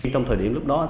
trong thời điểm lúc đó